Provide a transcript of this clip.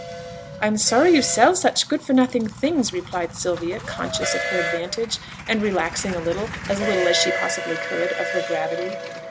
'I'm sorry you sell such good for nothing things,' replied Sylvia, conscious of her advantage, and relaxing a little (as little as she possibly could) of her gravity.